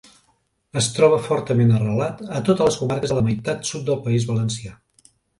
Es troba fortament arrelat a totes les comarques de la meitat sud del País Valencià.